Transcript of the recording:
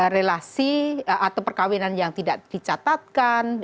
relasi atau perkawinan yang tidak dicatatkan